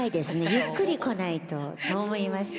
ゆっくり来ないとと思いました。